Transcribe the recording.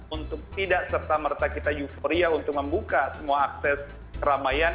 untuk tidak serta merta kita euforia untuk membuka semua akses keramaian